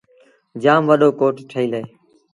جآم وڏو ڪوٽ ٺهيٚل اهي۔